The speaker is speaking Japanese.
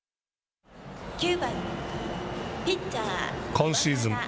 今シーズン